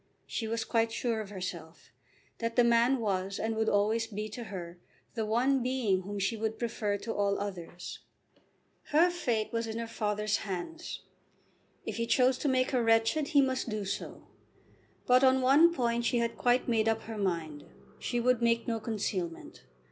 She was quite sure of herself, that the man was and would always be to her the one being whom she would prefer to all others. Her fate was in her father's hands. If he chose to make her wretched he must do so. But on one point she had quite made up her mind. She would make no concealment.